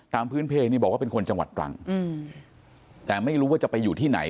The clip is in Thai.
พื้นเพลงนี่บอกว่าเป็นคนจังหวัดตรังแต่ไม่รู้ว่าจะไปอยู่ที่ไหน